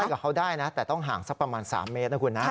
กับเขาได้นะแต่ต้องห่างสักประมาณ๓เมตรนะคุณนะ